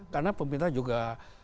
karena pemerintah juga